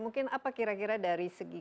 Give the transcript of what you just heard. mungkin apa kira kira dari segi